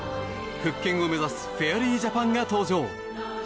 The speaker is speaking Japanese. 復権を目指すフェアリージャパンが登場。